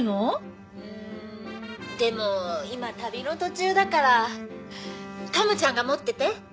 「うーんでも今旅の途中だから鴨ちゃんが持ってて」